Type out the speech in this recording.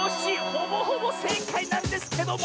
ほぼほぼせいかいなんですけども！